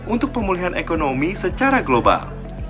untuk pemulihan ekonomi secara global